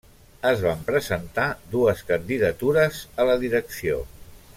Es van presentar dues candidatures a la direcció.